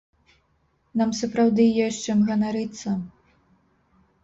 Нам сапраўды ёсць чым ганарыцца?